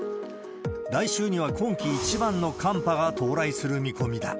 来週には今季一番の寒波が到来する見込みだ。